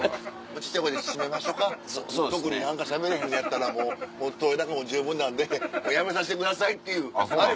小っちゃい声で「締めましょか特にしゃべれへんねやったらもう撮れ高も十分なんでやめさせてください」っていうあれ